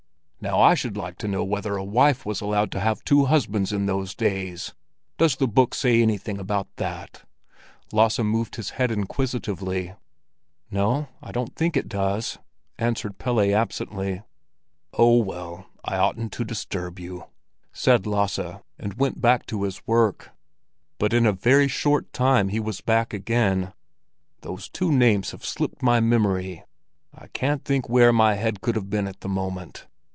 Now I should like to know whether a wife was allowed to have two husbands in those days. Does the book say anything about that?" Lasse moved his head inquisitively. An ordinary expression in Danish for a mean, deceitful person. "No, I don't think it does," answered Pelle absently. "Oh, well, I oughtn't to disturb you," said Lasse, and went to his work. But in a very short time he was back again. "Those two names have slipped my memory; I can't think where my head could have been at the moment.